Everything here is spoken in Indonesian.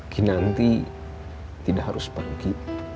kinanti tidak harus pergi